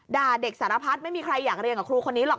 ด่าเด็กสารพัฒน์ไม่มีใครอยากเรียนกับครูคนนี้หรอก